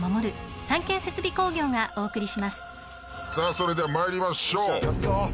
それでは参りましょう。